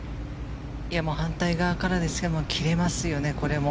反対側からも切れますよね。